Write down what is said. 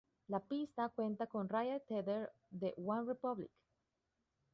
La pista cuenta con Ryan Tedder de OneRepublic.